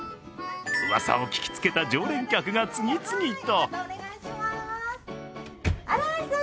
うわさを聞きつけた常連客が次々と。